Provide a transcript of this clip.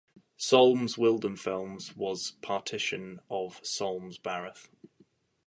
Solms-Wildenfels was a partition of Solms-Baruth.